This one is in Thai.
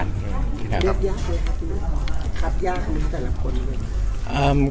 เล็กยากหรือครับหรือคัดยากมั้ยแต่ละคน